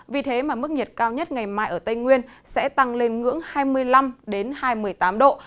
vì thế mà mức nhiệt cao nhất ngày mai ở tây nguyên sẽ tăng lên ngưỡng hai mươi năm hai mươi tám độ